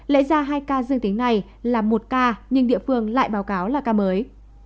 lẽ ra hai ca dương tính này là một ca nhưng địa phương lại báo cáo là ca mới